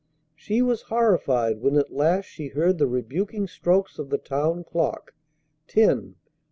She was horrified when at last she heard the rebuking strokes of the town clock, ten!